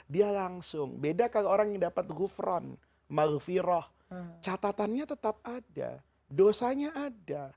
dia langsung beda kalau orang yang dapat gufron malufiroh catatannya tetap ada dosanya ada